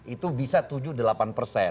itu bisa tujuh delapan persen